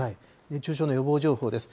熱中症の予防情報です。